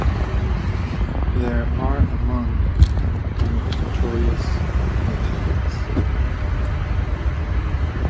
They are among the most notorious in the Netherlands.